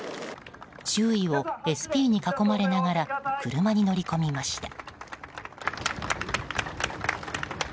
周囲をＳＰに囲まれながら車に乗り込みました。